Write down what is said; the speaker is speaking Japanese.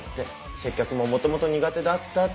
接客ももともと苦手だったって。